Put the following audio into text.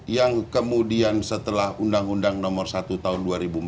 yang kemudian setelah undang undang nomor satu tahun dua ribu empat belas